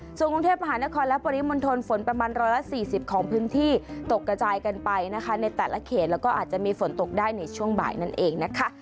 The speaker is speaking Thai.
ส่วนกรุงเทพมหานครและปริมณฑลฝนประมาณ๑๔๐ของพื้นที่ตกกระจายกันไปนะคะในแต่ละเขตแล้วก็อาจจะมีฝนตกได้ในช่วงบ่ายนั่นเองนะคะ